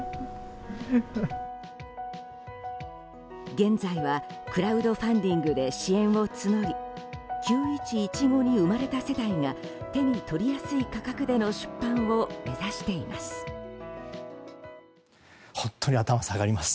現在はクラウドファンディングで支援を募り９・１１後に生まれた世代が手に取りやすい価格での出版を目指しています。